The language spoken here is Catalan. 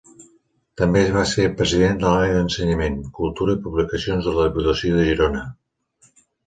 També va ser president de l'àrea d'Ensenyament, Cultura i Publicacions de la Diputació de Girona.